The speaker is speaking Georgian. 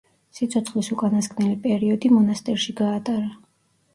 სიცოცხლის უკანასკნელი პერიოდი მონასტერში გაატარა.